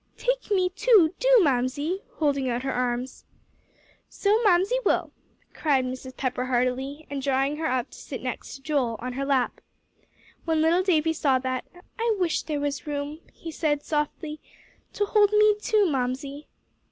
"Take me, too, do Mamsie," holding out her arms. "So Mamsie will," cried Mrs. Pepper, heartily, and drawing her up to sit next to Joel, on her lap. When little Davie saw that, "I wish there was room," he said softly, "to hold me, too, Mamsie."